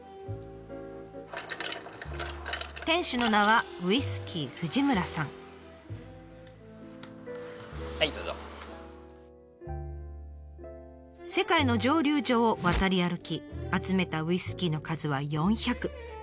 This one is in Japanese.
店主の名は世界の蒸留所を渡り歩き集めたウイスキーの数は４００。